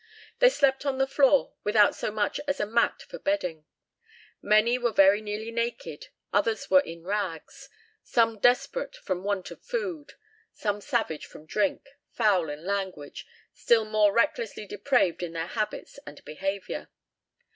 They slept on the floor, without so much as a mat for bedding. Many were very nearly naked, others were in rags; some desperate from want of food, some savage from drink, foul in language, still more recklessly depraved in their habits and behaviour.